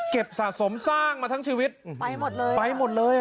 สะสมสร้างมาทั้งชีวิตไปหมดเลยไปหมดเลยอ่ะ